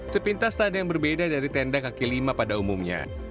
sepintas tak ada yang berbeda dari tenda kaki lima pada umumnya